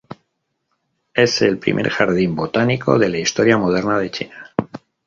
Es el primer jardín botánico de la historia moderna de China.